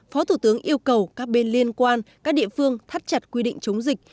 phó thủ tướng yêu cầu các bên liên quan các địa phương thắt chặt quy định chống dịch